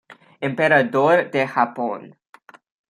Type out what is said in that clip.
Emperador de Japón.